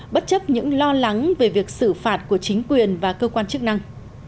bất chấp những lo lắng về việc xử phạt của chính quyền và cơ quan chức năng